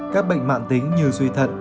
các bệnh mạng tính như suy thận